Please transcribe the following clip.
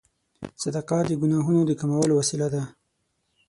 صدقه د ګناهونو د کمولو وسیله ده.